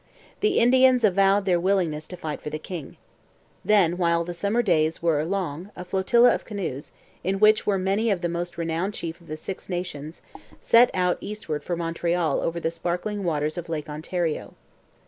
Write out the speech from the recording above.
The Indians avowed their willingness to fight for the king. Then, while the summer days were long, a flotilla of canoes, in which were many of the most renowned chiefs of the Six Nations, set out eastward for Montreal over the sparkling waters of Lake Ontario.